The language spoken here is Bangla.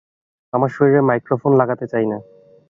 আমি শরীরে মাইক্রোফোন লাগাতে চাই না।